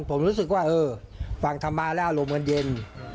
ผมรู้สึกว่าฟังธรรมาน์แล้วอารมณ์เบื้องเย็น